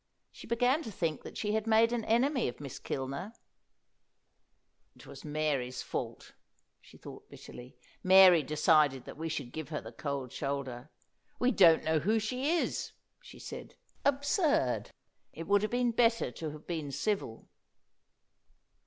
She began to think that she had made an enemy of Miss Kilner. "It was Mary's fault," she thought bitterly. "Mary decided that we should give her the cold shoulder. 'We don't know who she is,' she said. Absurd! It would have been better to have been civil."